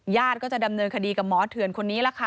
ก็จะดำเนินคดีกับหมอเถื่อนคนนี้ล่ะค่ะ